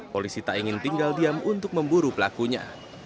polisi tak ingin tinggal diam untuk memburu pelakunya